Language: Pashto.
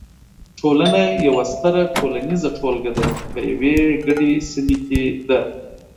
ټولنه یوه ستره ټولنیزه ټولګه ده چې په یوې ګډې سیمې کې ده.